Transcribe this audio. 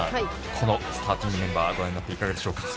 このスターティングメンバーご覧になっていかがでしょうか？